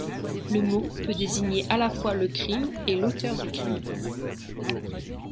Le mot peut désigner à la fois le crime et l'auteur du crime.